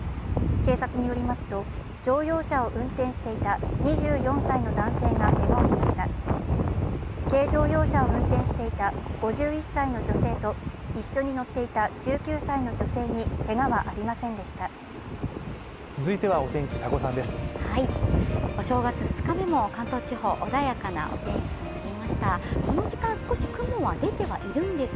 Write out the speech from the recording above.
軽乗用車を運転していた５１歳の女性と一緒に乗っていた１９歳の女性にけがはありませんでした。